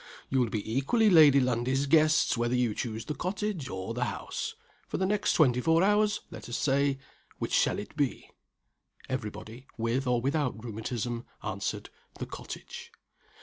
You will be equally Lady Lundie's guests, whether you choose the cottage or the house. For the next twenty four hours (let us say) which shall it be?" Every body with or without rheumatism answered "the cottage."